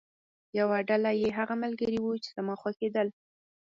یوه ډله دې هغه ملګري وو چې زما خوښېدل.